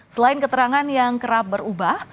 selain keterangan yang kerap berubah